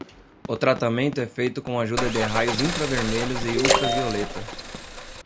O tratamento é feito com ajuda de raios infravermelhos e ultravioleta.